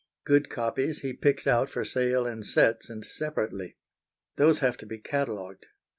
Good copies he picks out for sale in sets and separately. Those have to be catalogued.